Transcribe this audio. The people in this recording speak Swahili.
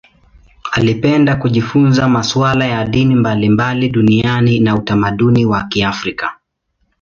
Alipenda kujifunza masuala ya dini mbalimbali duniani na utamaduni wa Kiafrika.